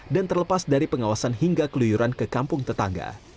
dan terlepas dari pengawasan hingga keluyuran ke kampung tetangga